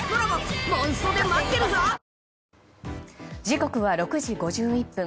時刻は６時５１分。